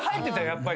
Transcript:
やっぱり。